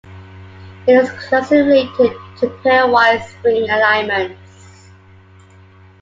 It is closely related to pairwise string alignments.